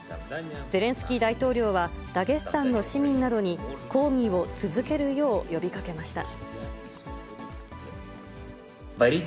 ゼレンスキー大統領は、ダゲスタンの市民などに抗議を続けるよう呼びかけました。